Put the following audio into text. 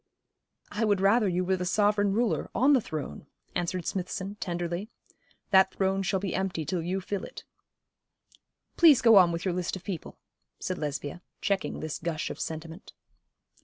'I would rather you were the sovereign ruler, on the throne,' answered Smithson, tenderly. 'That throne shall be empty till you fill it.' 'Please go on with your list of people,' said Lesbia, checking this gush of sentiment.